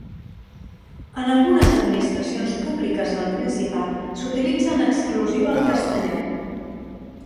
En algunes administracions públiques del Principat s'utilitza en exclusiva el castellà